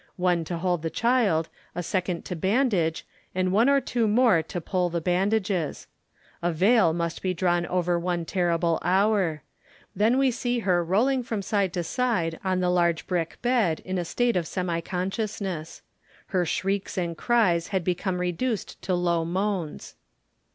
One to hold the child, a second to bandage, and one or two more to pull the bandages. A veil must be drawn over one terrible hour. Then we see her rolling from side to side on the large brick bed in a state of semi consciousness. Her shrieks and cries had become reduced to low moans.